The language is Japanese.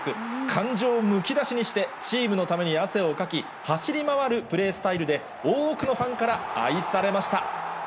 感情をむき出しにして、チームのために汗をかき、走り回るプレースタイルで、多くのファンから愛されました。